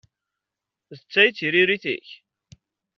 D ta i d tiririt-ik?